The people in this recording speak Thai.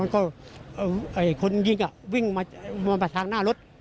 คนยิงวิ่งมาทางหน้ารถ